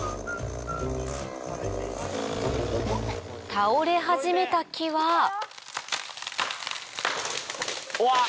倒れ始めた木はおわっ！